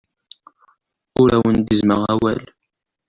Ur awen-gezzmeɣ awal.